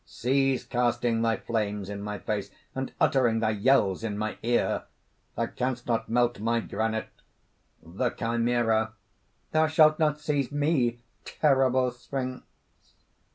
"Cease casting thy flames in my face, and uttering thy yells in my ear: thou canst not melt my granite." THE CHIMERA. "Thou shalt not seize me, terrible sphinx!"